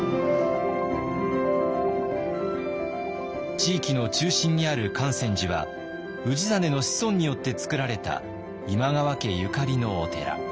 地域の中心にある観泉寺は氏真の子孫によって造られた今川家ゆかりのお寺。